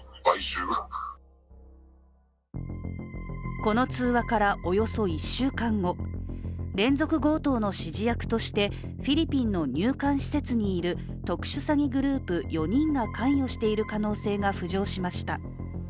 この通話からおよそ１週間後連続強盗の指示役としてフィリピンの入管施設にいる特殊詐欺グループ４人が関与している可能性が浮上しました。